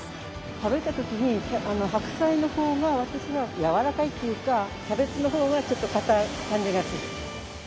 食べた時に白菜の方が私は柔らかいっていうかキャベツの方がちょっとかたい感じがする。